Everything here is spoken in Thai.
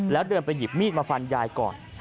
แล้วเดินไปหยิบมีดมาฟันยายก่อน